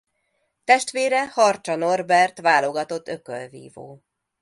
Testvére Harcsa Norbert válogatott ökölvívó.